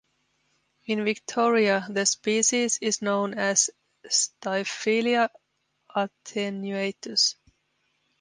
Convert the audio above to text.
In Victoria the species is known as "Styphelia attenuatus".